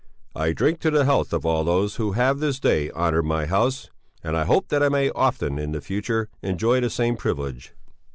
I drink the health of all those who have this day honoured my house, and I hope that I may often in the future enjoy the same privilege."